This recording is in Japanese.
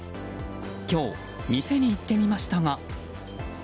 今日、店に行ってみましたが。